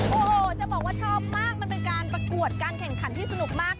โอ้โหจะบอกว่าชอบมากมันเป็นการประกวดการแข่งขันที่สนุกมาก